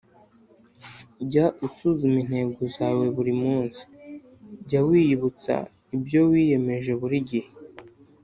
Jya usuzuma intego zawe buri munsi. Jya wiyibutsa ibyo wiyemeje buri gihe